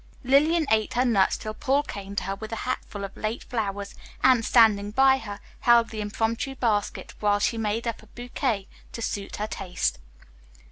Lillian ate her nuts till Paul came to her with a hatful of late flowers and, standing by her, held the impromptu basket while she made up a bouquet to suit her taste.